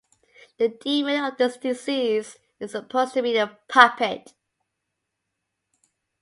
The demon of the disease is supposed to be in the puppet.